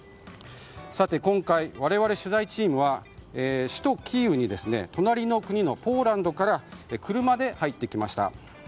さて今回、我々取材チームは首都キーウに隣の国のポーランドから車で入ってきました。